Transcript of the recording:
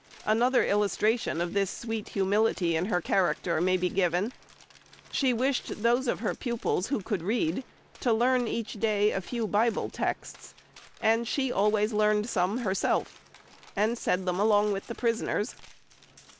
Another illustration of this sweet humility in her character may be given. She wished those of her pupils who could read to learn each day a few Bible texts; and she always learned some herself, and said them with the prisoners.